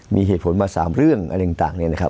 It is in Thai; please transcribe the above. มีเหตุผลมา๓เรื่องอะไรต่างเนี่ยนะครับ